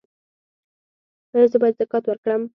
ایا زه باید زکات ورکړم؟